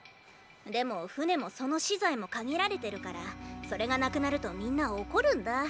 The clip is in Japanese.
でも船もその資材も限られてるからそれがなくなるとみんな怒るんだ。